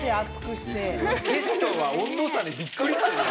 テストは温度差でビックリしてるよ。